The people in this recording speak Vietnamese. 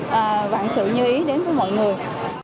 và vạn sự như ý đến với mọi người